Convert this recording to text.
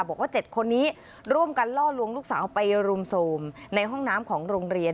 บอกว่า๗คนนี้ร่วมกันล่อลวงลูกสาวไปรุมโทรมในห้องน้ำของโรงเรียน